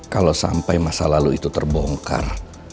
kalau sampai masa lalu itu terbongkar